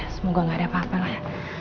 semoga gak ada apa apa lah ya